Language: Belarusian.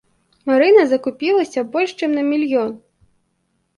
Марына закупілася больш чым на мільён.